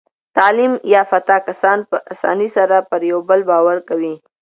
تعلیم یافته کسان په اسانۍ سره پر یو بل باور کوي.